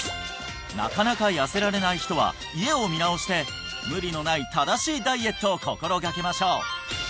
なかなか痩せられない人は家を見直して無理のない正しいダイエットを心掛けましょう！